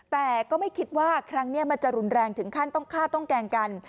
แต่ก็ไม่คิดว่าครั้งนี้มันจะรุนแรงถึงขั้นต้องฆ่าต้องแกล้งกัน